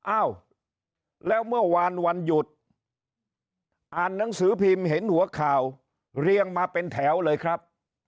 อ้าวแล้วเมื่อวานวันหยุดอ่านหนังสือพิมพ์เห็นหัวข่าวเรียงมาเป็นแถวเลยครับ